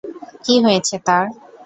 কি হয়েছে তার?